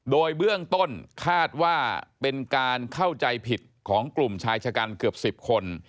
โดยเบื้องต้นคาดว่าเป็นการเข้าใจผิดของกลุ่มชายชะกันเกือบ๑๐คน